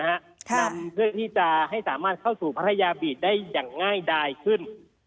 นำเพื่อที่จะให้สามารถเข้าสู่พัทยาบีดได้อย่างง่ายดายขึ้น